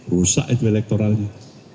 rusak itu elektoralnya